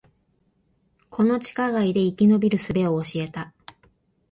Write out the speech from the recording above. この地下街で生き延びる術を教えた